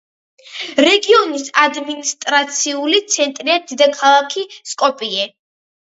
რეგიონის ადმინისტრაციული ცენტრია დედაქალაქი სკოპიე.